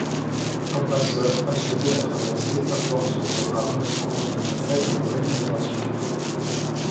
Un passeur assurait la traversée à force de rame contre une faible rémunération.